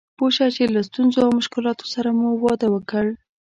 پوه شه چې له ستونزو او مشکلاتو سره مو واده وکړ.